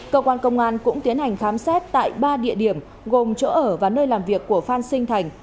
cơ quan công an cũng tiến hành khám xét tại ba địa điểm gồm chỗ ở và nơi làm việc của phan sinh thành